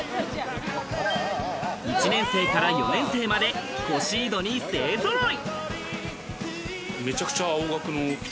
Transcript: １年生から４年生までコシードに勢ぞろい。